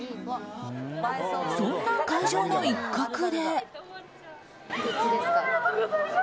そんな会場の一角で。